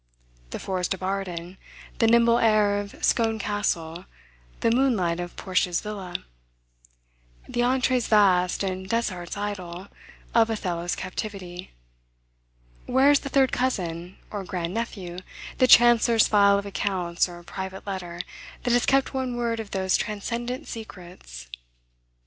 The forest of Arden, the nimble air of Scone Castle, the moonlight of Portia's villa, "the antres vast and desarts idle," of Othello's captivity, where is the third cousin, or grand nephew, the chancellor's file of accounts, or private letter, that has kept one word of those transcendent secrets.